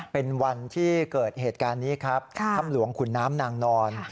เป็นวันที่เกิดเหตุการณ์นี้ครับถ้ำหลวงขุนน้ำนางนอน